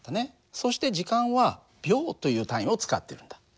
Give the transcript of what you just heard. そして時間は秒という単位を使ってるんだ。